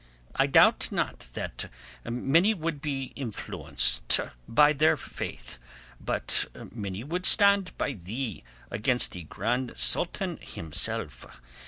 "I doubt not that many would be influenced by their faith, but many would stand by thee against the Grand Sultan himself.